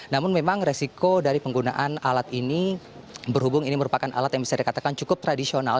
namun memang resiko dari penggunaan alat ini berhubung ini merupakan alat yang bisa dikatakan cukup tradisional